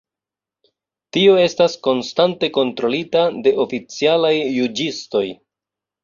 Tio estas konstante kontrolita de oficialaj juĝistoj.